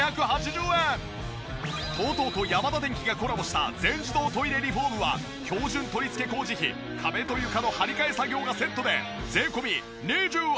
ＴＯＴＯとヤマダデンキがコラボした全自動トイレリフォームは標準取り付け工事費壁と床の張り替え作業がセットで税込２８万８０００円。